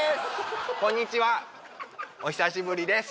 こんにちはお久しぶりです